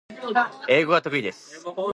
英語が得意です